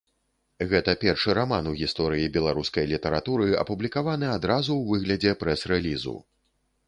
Гэта першы раман у гісторыі беларускай літаратуры, апублікаваны адразу ў выглядзе прэс-рэлізу.